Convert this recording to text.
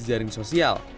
di jaring sosial